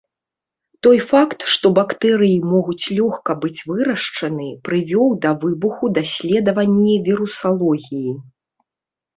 Той факт, што бактэрыі могуць лёгка быць вырашчаны, прывёў да выбуху даследаванні вірусалогіі.